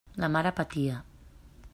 La mare patia.